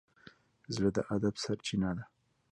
زړه د ادب سرچینه ده.